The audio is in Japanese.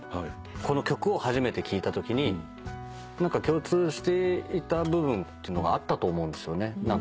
この曲を初めて聴いたときに共通していた部分というのがあったと思うんですよね。